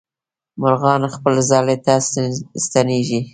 مرغان خپل ځالې ته ستنېږي.